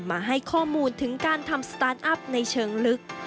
มาให้ข้อมูลถึงการทำสตาร์ทอัพในเชิงลึก